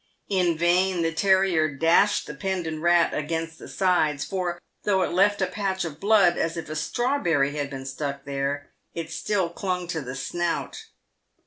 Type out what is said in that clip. In vain the terrier dashed the pendant rat against the sides, for, though it left a patch of blood, as if a strawberry had been stuck there, still it clung to the snout.